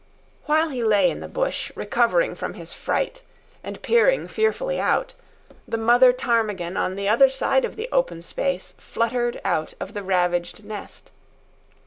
While he lay in the bush, recovering from his fright and peering fearfully out, the mother ptarmigan on the other side of the open space fluttered out of the ravaged nest.